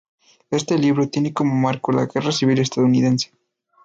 Este libro tiene como marco la Guerra Civil Estadounidense.